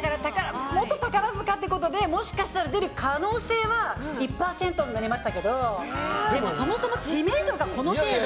元宝塚ってことでもしかしたら出る可能性は１％になりましたけどでも、そもそも知名度がこの程度。